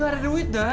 gak ada duit da